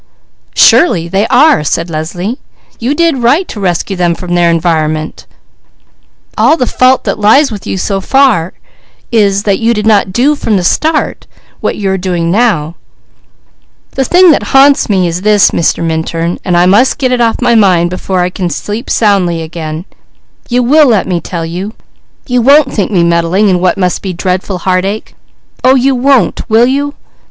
"Surely they are!" said Leslie. "You did right to rescue them from their environment; all the fault that lies with you so far is, that you did not do from the start what you are now doing. The thing that haunts me is this, Mr. Minturn, and I must get it out of my mind before I can sleep soundly again you will let me tell you you won't think me meddling in what must be dreadful heartache? Oh you won't will you?"